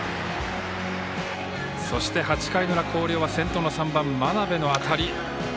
そして、８回の裏、広陵は先頭の３番、真鍋の当たり。